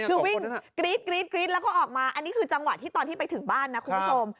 คือวิ่งกรี๊ดกรี๊ดแล้วก็ออกมาอันนี้คือจังหวะที่ตอนที่ไปถึงบ้านนะคุณผู้ชม